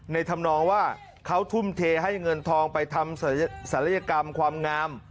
ธรรมนองว่าเขาทุ่มเทให้เงินทองไปทำศัลยกรรมความงาม